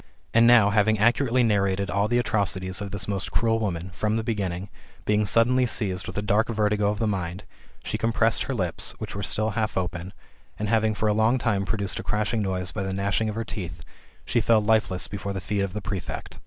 And now, having accurately narrated all the atrocities of this most cruel woman, from the beginning, being suddenly seized with a dark vertigo of the mind, she compressed her lips, which were still half open, and having for a long time produced a crashing noise by the gnashing of her teeth, she fell lifeless at the feet of the prefect.